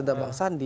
dan bang sandi